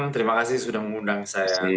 terima kasih sudah mengundang saya